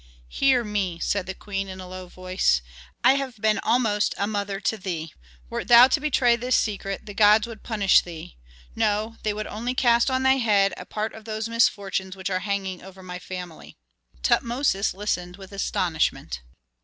"Hear me," said the queen in a low voice; "I have been almost a mother to thee. Wert thou to betray this secret the gods would punish thee. No they would only cast on thy head a part of those misfortunes which are hanging over my family." Tutmosis listened with astonishment.